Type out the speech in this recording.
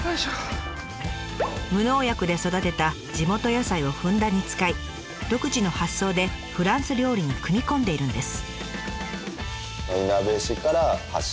無農薬で育てた地元野菜をふんだんに使い独自の発想でフランス料理に組み込んでいるんです。